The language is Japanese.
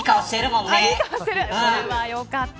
それはよかった。